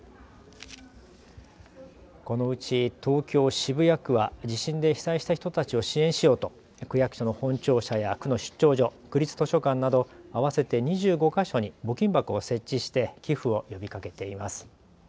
このうち東京渋谷区は地震で被災した人たちを支援しようと区役所の本庁舎や区の出張所、区立図書館など合わせて２５か所に募金箱を設置して寄付を呼びかけています。